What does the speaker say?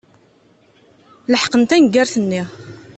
Leḥqen taneggart-nni.